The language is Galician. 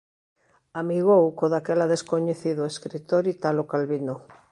Amigou co daquela descoñecido escritor Italo Calvino.